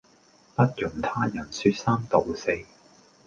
不容他人說三道四